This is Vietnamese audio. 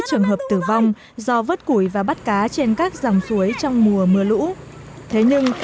trường hợp tử vong do vớt củi và bắt cá trên các dòng suối trong mùa mưa lũ thế nhưng